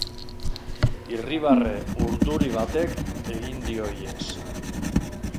Irribarre urduri batek egin dio ihes.